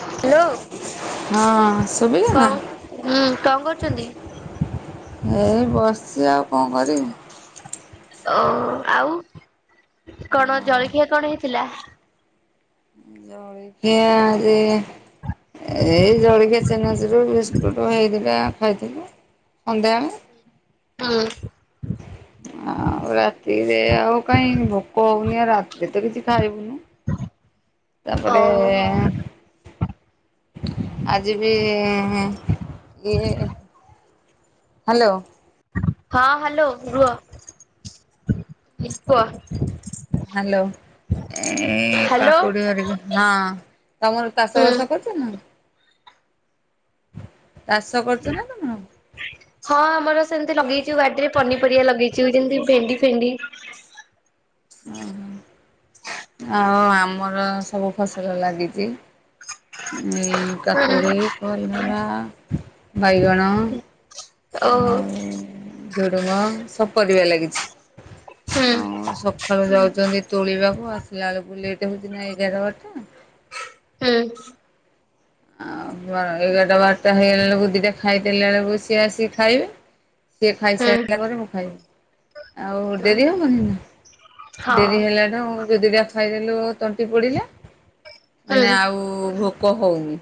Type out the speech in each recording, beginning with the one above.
Hello. ହଁ କଣ ଶୁଭିଲା ନା ହୁଁ କଣ କରୁଛନ୍ତି? ଏଇ ବସିଛି ଆଉ କଣ କରିବି। ଓ ଆଉ କଣ ଜଳଖିଆ କଣ ହେଇଥିଲା? ଜଳଖିଆ ଆଜି ଏଇ ଜଳଖିଆ ଚେନାଚିରୁ ବିସ୍କୁଟ ହେଇଥିଲା ଖାଇଥିଲୁ ଅଣ୍ଡା। ହଁ ଆଉ ରାତିରେ ଆଉ କାହିଁ ଭୋକ ହଉନି ଆଉ ରାତିରେ ତ କିଛି ଖାଇବୁନୁ। ଓ ତାପରେ ଆଜି ବି ଇଏ। ହ୍ୟାଲୋ। ହଁ ହ୍ୟାଲୋ ରୁହ କୁହ। ହ୍ୟାଲୋ ଏ ହ୍ୟାଲୋ। କାକୁଡି ହେରିକ ହଁ ତମର ଚାଷ ହୁଁ ବାସ କର। ନା ଚାଷ କରୁଛ ନା ତମେ। ହଁ ଆମର ସେମିତି ଲଗେଇଚୁ ବାଡିରେ ପନିପରିବା ଲଗେଇଚୁ ଯେମିତି ଭେଣ୍ଡି ଫେଣ୍ଡି ହଁ ହଁ। ଆଉ ଆମର ସବୁ ଫସଲ ଲାଗିଛି ଏଇ। କାକୁଡ଼ି, କଲରା, ବାଇଗଣ। ଓ। ଆଉ ଝୁଡ଼ୁଙ୍ଗ ସବୁ ପରିବା ଲାଗିଛି ହୁଁ ଆଉ ସକାଳୁ ଯାଉଛନ୍ତି ତୋଳିବାକୁ ଆସିଲା ବେଳକୁ ଲେଟ୍ ହେଉଛି ନା ଏଗାର ବାରଟା। ହୁଁ ଆଉ ଏଗାରଟା ବାରଟା ହେଇଗଲା ବେଳକୁ ଦିଇଟା ଖାଇଦେଲା ବେଳକୁ ସିଏ ଆସିକି ଖାଇବେ। ସିଏ ଖାଇସାରିଲା ପରେ ମୁଁ ଖାଇବି ଆଉ ଡେରି ହବନି ନା। ହଁ ଡେରି ହେଲାଠୁ ଦିଦି ଟା ଖାଇଦେଲୁ ତଣ୍ଟି ପୋଡ଼ିଲା ହୁଁ ମାନେ ଆଉ ଭୋକ ହଉନି।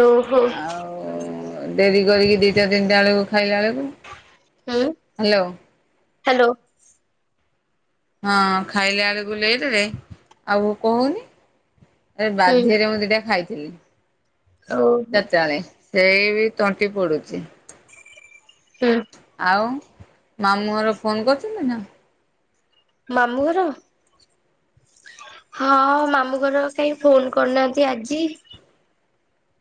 ତ [unintelligible] ଆଉ। ଓ ଡେରି କରିକି ଦିଟା ତିନିଟା ବେଳକୁ ଖାଇଲା ବେଳକୁ ହୁଁ ହେଲୋ। ହ୍ୟାଲୋ। ହଁ ଖାଇଲା ବେଳକୁ ଲେଟ ରେ ଆଉ ଭୋକ ହଉନି। ଆରେ ହୁଁ ବାଧ୍ୟରେ ମୁଁ ଦିଟା ଖାଇଥିଲି ଓହୋ ଚାରି ଟା ବେଳେ ସେଇ ବି ତଣ୍ଟି ପୋଡ଼ୁଛି। ହୁଁ ଆଉ ମାମୁଁ ଘର ଫୋନ କରିଥିଲେ ନା ମାମୁଁ ଘର ହଁ ମାମୁଁ ଘର କାହିଁ ଫୋନ କରିନାହାନ୍ତି ଆଜି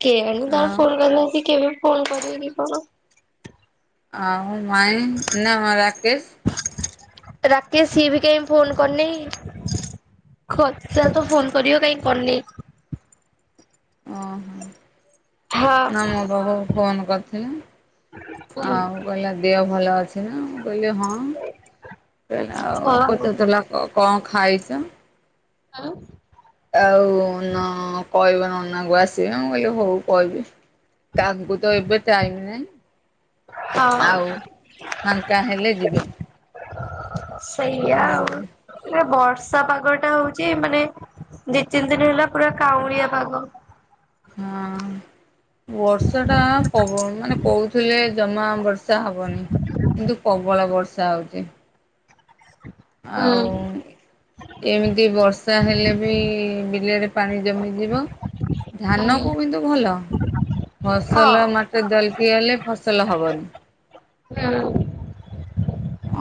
କେଜାଣେ ତାଙ୍କର ଆଉ ଫୋନ କରିି ନାହାନ୍ତି କେବେ ଫୋନ କରିବେ କି କଣ ଆଉ ମାଇ ନା ମ ରାକେଶ ରାକେସ୍ ସିଏ ବି କାହିଁ ଫୋନ କରିନି କହିଥିଲା ତ ଫୋନ କରିବ କାହିଁ କରିନି ଓହୋ ହଁ ନା ମୋ ପାଖକୁ ଫୋନ କରିଥିଲା ହଁ। ଆଉ କହିଲା ଦେହ ଭଲ ଅଛି ନା ମୁଁ କହିଲି ହଁ ଆଉ ପଚାରିଥିଲା କଣ ଖାଇଛ? ହଁ ଆଉ ନ କହିବ ନନା କୁ ଆସିବେ ମୁଁ କହିଲି ହଉ କହିବି ତାକୁ ତ ଏବେ ଟାଇମ ନାଇଁ ହଁ ଆଉ ଫାଙ୍କା ହେଲେ ଯିବେ ସେୟା ଆଉ ଏ ବର୍ଷା ପାଗ ଟା ହଉଛି ମାନେ ଦି ତିନି ଦିନ ହେଲା ପୁରା କାଉଁଳିଆ ପାଗ ହଁ ବର୍ଷା ଟା ବ ମାନେ କହୁଥିଲେ ଜମା ବର୍ଷା ହେବନି କିନ୍ତୁ ପ୍ରବଳ ବର୍ଷା ହେଉଛି [unintelligible] ଆଉ ଏମିତି ବର୍ଷା ହେଲେ ବି ବିଲରେ ପାଣି ଜମିଯିବ ଧାନ ହୁଁ କୁ କିନ୍ତୁ ଭଲ ହଁ ଫସଲ ମଟେ ଜଲକି ହେଲେ ଫସଲ ହବନି ହୁଁ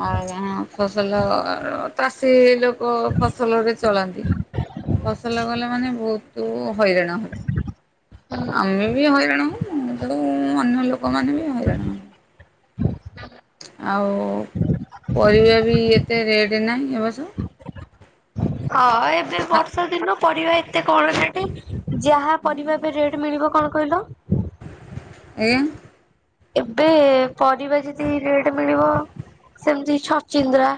ଅ ଫସଲ ଚାଷୀ ଲୋକ ଫସଲରେ ଚଳାନ୍ତି ଫସଲ ଗଲେ ମାନେ ବହୁତ ତୁ ହଇରାଣ ହୁଁ ଆମେ ବି ହଇରାଣ ହଉ ତେଣୁ ଅନ୍ୟ ଲୋକ ତମମାନେ ବି ହଇରାଣ ହଉ। ଆଉ ପରିବା ବି ଏତେ ରେଟ ଦେ ନାହିଁ ହେବା ସ ହଁ ଏବେ ଆଜ୍ଞା ବର୍ଷା ଦିନ ପରିବା ଏତେ କଣ ସେଠି ଯାହା ପରିବା ପାଇଁ ରେଟ୍ ମିଳିବ କଣ କହିଲ ଏୟା ଏବେ ପରିବା ଯଦି ରେଟ୍ ମିଳିବ ସେମିତି ଛଚିନ୍ଦ୍ରା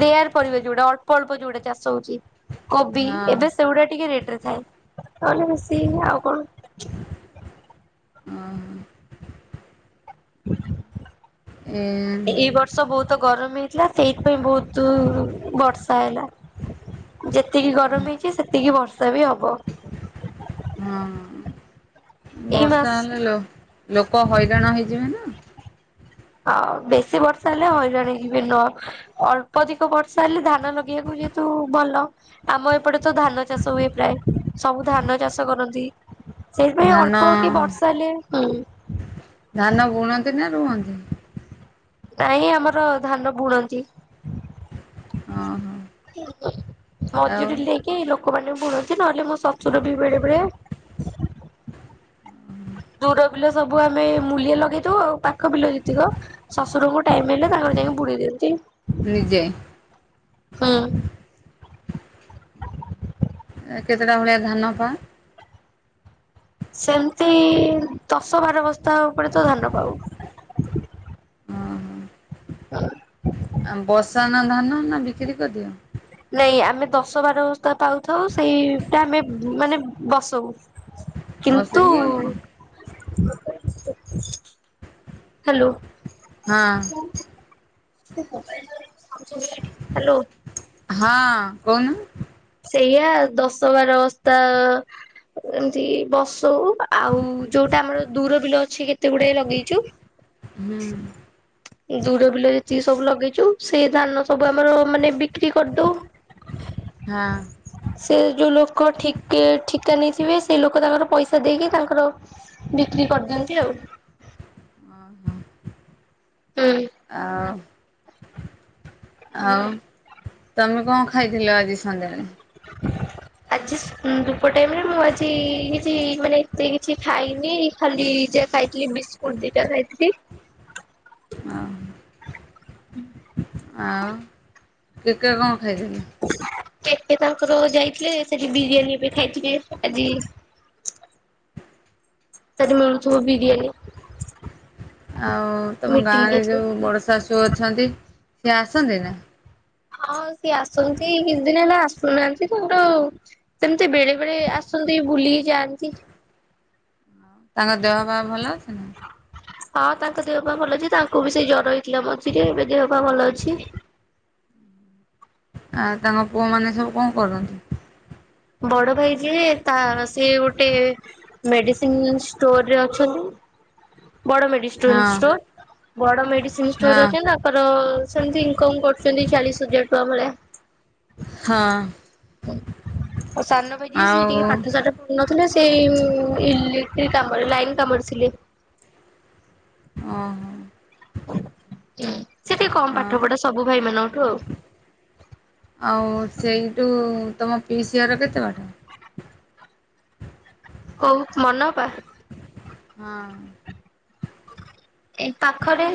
ରେୟାର କରିବେ ଯୋଉଟା ଅଳ୍ପ ଅଳ୍ପ ଯୋଉଟା ଚାଷ ହଉଛି କୋବି ଏବେ ସେଗୁଡା ଟିକେ ରେଟ ରେ ଥାଏ ତାହେଲେ ବେଶୀ ଆଉ କଣ [inaudible] ଏ ଏବର୍ଷ ବହୁତ ଗରମ ହେଇଥିଲା ସେଇଥିପାଇଁ ବହୁତ ବର୍ଷା ହେଲା। ଯେତିକି ଗରମ ହେଇଛି ସେତିକି ବର୍ଷା ବି ହବ। ହଁ ଏଇ ମାସ ବର୍ଷା ହେଲେ ଲ ଲୋକ ହଇରାଣ ହେଇଯିବେ ନା। ଆଉ ବେଶୀ ବର୍ଷା ହେଲେ ହଇରାଣ ହେଇଯିବେ ନ ଅଳ୍ପ ଅଧିକ ବର୍ଷା ହେଲେ ଧାନ। ଧାନ ଲଗେଇବାକୁ ଯେହେତୁ ଭଲ ଆମ ଏପଟେ ତ ଧାନ ଚାଷ ହୁଏ ପ୍ରାୟ ସବୁ ଧାନ ଚାଷ କରନ୍ତି। ସେଇଥିପାଇ ଧାନ ଅଳ୍ପ କି ବର୍ଷା ହେଲେ ହଁ। ଧାନ ବୁଣନ୍ତି ନା ରୁଅନ୍ତି? ନାଇଁ ଆମର ଧାନ ବୁଣନ୍ତି। ଅ ହଁ। ମଜୁରୀ ନେଇକି ଲୋକମାନେ ବୁଣନ୍ତି। ନହେଲେ ମୋ ଶଶୁର ବି ବେଳେ ବେଳେ। ଦୁର ବିଲ ସବୁ ଆମେ ମୁଲିଆ ଲଗେଇ ଦଉ, ଆଉ ପାଖ ବିଲ ଯେତିକ ଶଶୁରଙ୍କୁ ଟାଇମ୍ ହେଲେ ତାଙ୍କର ଯାଇକି ବୁଣି ଦିଅନ୍ତି। ନିଜେ? ହଁ। କେତେଟା ଭଳିଆ ଧାନ ପା ସେମିତି ଦଶ ବାର ବସ୍ତା ଉପରେ ତ ଧାନ ପାଉ। [unintelligible] [unintelligible] ନା ଧାନ ନା ବିକ୍ରି କରିଦିଅ? ନାଇଁ ଆମେ ଦଶ ବାର ବସ୍ତା ପାଉଥାଉ। ସେଇଟା ଆମେ ମାନେ ବସଉ। କିନ୍ତୁ ବସେଇକି ହ୍ୟାଲୋ। ହଁ। ହ୍ୟାଲୋ। ହଁ କହୁନୁ। ସେଇଆ ଦଶ ବାର ବସ୍ତା ଏମିତି ବସଉ। ଆଉ ଯୋଉଟା ଆମର ଦୁର ବିଲ ଅଛି କେତେ ଗୁଡାଏ ଲଗେଇଛୁ। ହୁଁ ଦୁର ବିଲ ଯେତିକି ସବୁ ଲଗେଇଛୁ। ସେଇ ଧାନ ସବୁ ଆମର ମାନେ ବିକ୍ରି କରିଦଉ। ହଁ। ସେ ଯୋଉ ଲୋକ ଠିକି ଠିକା ନେଇଥିବେ। ସେଇ ଲୋକ ତାଙ୍କର ପଇସା ଦେଇକି ତାଙ୍କର ବିକ୍ରି କରିଦିଅନ୍ତି ଆଉ। ହୁଁ। ଆଉ। ଆଉ ତମେ କଣ ଖାଇଥିଲ ଆଜି ସଂନ୍ଧ୍ୟାବେଳେ? ଆଜି [inaudible] ଧୂପ ଟାଇମରେ ମୁଁ ଆଜି କିଛି ମାନେ ଏତେ କିଛି ଖାଇନି। ଖାଲି ଯା ଖାଇ କି ବିସ୍କୁଟ ଦିଟା ଖାଇଥିଲି। ଆଉ, ଆଉ ଟିକେ କଣ ଖାଇଲ? କେକେ ତାଙ୍କର ଯାଇଥିଲି। ସେଠି ବିରିୟାନୀ ବି ଖାଇଥିବେ। ଆଜି [unintelligible] ଆଜି ମନଥିବ ବିରିୟାନୀ। ଆଉ ତମ ମିଟିଂ ଗାଁରେ ଯାଇଥିଲେ। ଯଉ ବଡ଼ ଶାଶୁ ଅଛନ୍ତି, ସିଏ ଆସନ୍ତିନି? ହଁ ସିଏ ଆସନ୍ତି। କିଛି ଦିନ ହେଲା ଆସୁନାହାନ୍ତି। କିନ୍ତୁ ସେମିତି ବେଳେ ବେଳେ ଆସନ୍ତି, ବୁଲିକି ଯାଆନ୍ତି। ତାଙ୍କ ଦେହ ପାଆ ଭଲ ଅଛି? ହଁ ତାଙ୍କ ଦେହ ପାଆ ଭଲ ଅଛି। ତାଙ୍କୁ ବି ସେଇ ଜ୍ୱର ହେଇଥିଲା ମଝିରେ ଏବେ ଦେହ ପାଆ ଭଲ ଅଛି। ଆଉ ତମ ପୁଅ ମାନେ ସବୁ କଣ କରଛନ୍ତି? ବଡ ଭାଇ ଯିଏ ତା ସେ ଗୋଟେ ମେଡ଼ିସିନ ଷ୍ଟୋରରେ ଅଛନ୍ତି। ବଡ ମେଡ଼ିସିନ [unintelligible] ଷ୍ଟୋର ହଁ ବଡ ମେଡ଼ିସିନ ହଁ ଷ୍ଟୋର ଅଛନ୍ତି ତା ତାଙ୍କର ସେମତି ଇନକମ୍ କରୁଛନ୍ତି। ଚାଳିଶ ହଜାର ଟଙ୍କା ଭଳିଆ। ହଁ। ଆଉ ସାନ ଭାଇ ଯିଏ। ଆଉ ସେ ଟିକେ ପାଠ ସାଠ କରନଥିଲେ ସେଇ ଇଲେକ୍ଟ୍ରିକ କାମରେ ଲାଇନ୍ କାମରେ ଥିଲେ। ଅଁ ହଁ। ସେଟିକେ କମ୍ ପାଠ ଆଉ ପଢା ସବୁ ଭାଇ ମାନଙ୍କଠୁ ଆଉ। ଆଉ ସେଇଠୁ ତୁମ ପିସି ଘର କେତେ ବାଟ? କୋଉ ମନ ଅପା? ହଁ। ଏଇ ପାଖରେ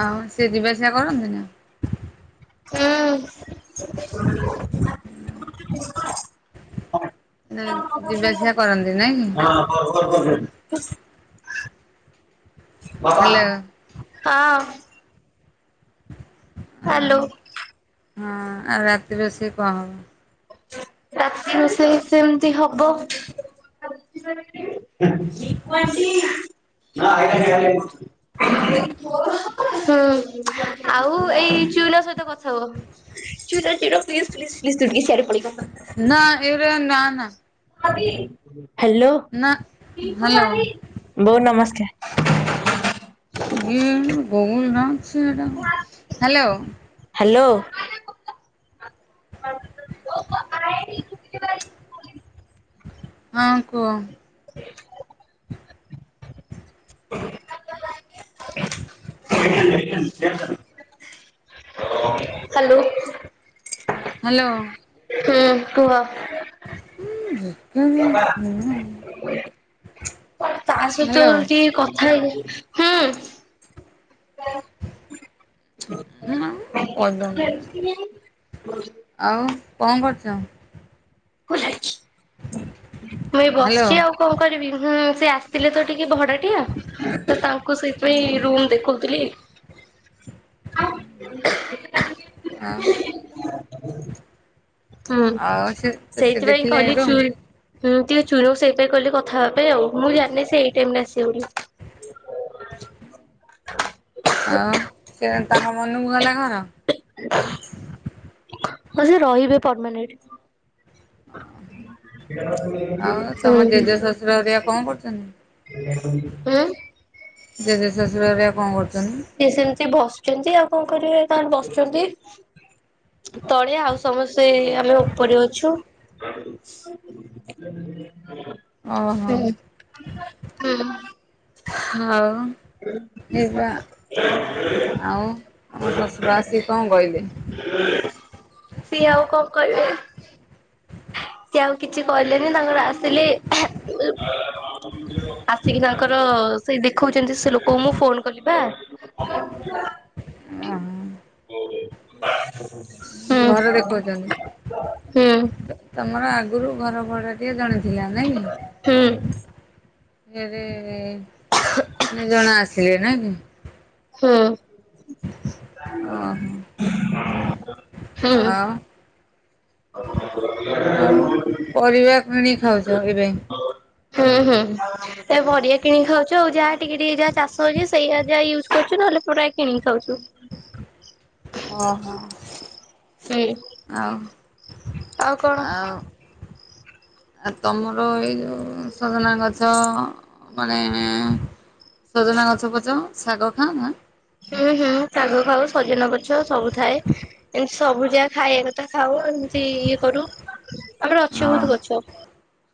ଅଁ ସିଏ ଯିବା ଆସିବା କରନ୍ତିନା? ହୁଁ। ନାଇ ଯିବା ଆସିବା କରନ୍ତି ନାଇଁକି? [unintelligible] ବାପା ହ୍ୟାଲୋ ହଁ। ଆ ହ୍ୟାଲୋ ହଁ ଆଉ ରାତିରୋଷେଇ କଁ ହବ? ରାତି ରୋଷେଇ ସେମିତି ହବ [unintelligible] ହୁଁ ଆଉ ଏଇ ଚୁଲା ସହିତ କଥା ହୁଅ। ଚୁରା [unintelligible] ହଁ ଏଉରା ନା ନା। ହାଲୋ ନା ହ୍ୟାଲୋ ବୋଉ ନମସ୍କାର। [unintelligible] ହାଲୋ। ହାଲୋ। ହଁ କୁହ। [inaudible] [inaudible] ହାଲୋ। ହାଲୋ। ହୁଁ କୁହ। ଉ ଯେତେହେନେ [unintelligible] ଆଁସହିତ ଟିକେ କଥା ହେଇନି ହୁଁ। ହଁ [unintelligible] ଆଉ କଁ କରୁଚ? ମୁଁ ଏଇ ହ୍ୟାଲୋ ବସିଚି ଆଉ। କଣ କରିବି ହୁଁ ସେ ଆସିଥିଲେତ ଟିକେ ଭଡ଼ା ଟିଆ ତ ତାଙ୍କୁ ସେଇଥିପାଇଁ ରୁମ୍ ଦେଖଉଥିଲି [inaudible] ଆଉ? ହୁଁ ଆଉ ସେ ସେ ସେଇଥିପାଇଁ ଦେଖିଲେ କହିଲି ଚୁ ରୁମ୍ ହୁଁ ଟିକେ ଚୁନୁ ସେଇପାଇଁ କହିଲି କଥା ହେବାପାଇଁ ଆଉ ମୁଁ ଜାଣିନି ସେଏଇ ଟାଇମରେ ଆସିବ ବୋଲି। ଆଉ ସେତାଙ୍କ ମନକୁ ଗଲା ଘର? [inaudible] ହଁ ସେରହିବେ ପରମାନେଣ୍ଟ। ଆଉ [unintelligible] ତମ ଜେଜେ ଶ୍ୱଶୁର ହେରିକା କଣ କରୁଛନ୍ତି? ଉଁ। ଜେଜେ ଶ୍ୱଶୁର ଅରିକା ସେସେମିତି ବସୁଚନ୍ତି ଆଉ କଁ କରିବେ ତାଙ୍କର ବସିଚନ୍ତି ତଳେ ଆଉ ସମସ୍ତେ ଆମେ ଉପରେ ଅଛୁ। ହୁଁ ବିଲିଭ୍ କର ଓହୋ ହୁଁ ଆଉ ଏଇଆ ଆଉ ତମ ଶଶୁର ଆସିକି କଣ କହିଲେ ସିଏ ଆଉ କଣ କହିବେ ସିଏ ଆଉ କିଛି କହିଲେନି ତାଙ୍କର ଆସିଲେ ଆସିକି ତାଙ୍କର ସେ ଦେଖେଉଛନ୍ତି ସେ ଲୋକଙ୍କୁ ମୁ ଫୋନ୍ କଲି ପା ଅ ବାଟୁଆ ଆ ହ ହୁଁ ଦେଖଉଛନ୍ତି। ହୁଁ ତମର ଆଗରୁ ଘର ଭଡ଼ା ଟିଆ ଜଣେଥିଲା ନାଇଁ କି ହୁଁ ଫେରେ ତିନି ଜଣ ଆସିଲେ ନାଇଁ କି ହୁଁ ଓହୋ ହୁଁ ଆଉ ଆଉ ପରିବା କିଣି ଖାଉଛ ଏବେ ହୁଁ ହୁଁ ଏ ପରିବା କିଣିକି ଖାଉଛୁ ଆଉ ଯାହା ଟିକେ ଟିକେ ଯାହା ଚାଷ ହେଉଛି ସେଇଆ ଯାହା ୟୁଜୁ କରୁଛୁ ନହେଲେ ପୁରା କିଣିକି ଖାଉଛୁ ଓହୋ ହୁଁ ଆଉ ଆଉ କଣ ଆଉ ଆଉ ତମର ଏଇ ଯୋଉ ସଜନା ଗଛ ମାନେ ସଜନା ଗଛ ପଛ ଶାଗ ଖାଅ‌ ନା ହୁଁ ହୁଁ ଶାଗ ଫାଗ ସଜନା ଗଛ ସବୁ ଥାଏ ଏମତି ସବୁ ଯାହା ଖାଇବା କଥା ଖାଉ ଏମିତି ଇଏ କରୁ ତାପରେ ଅଛି ଆଉ ବହୁତ ଗଛ